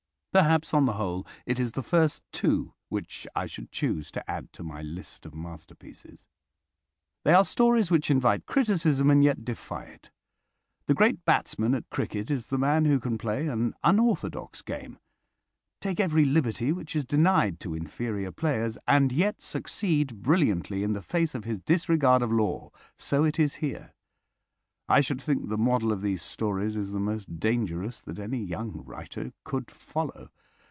Perhaps, on the whole, it is the first two which I should choose to add to my list of masterpieces. They are stories which invite criticism and yet defy it. The great batsman at cricket is the man who can play an unorthodox game, take every liberty which is denied to inferior players, and yet succeed brilliantly in the face of his disregard of law. So it is here. I should think the model of these stories is the most dangerous that any young writer could follow.